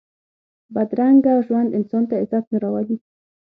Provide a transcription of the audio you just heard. بدرنګه ژوند انسان ته عزت نه راولي